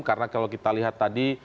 karena kalau kita lihat tadi